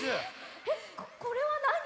えっこれはなに？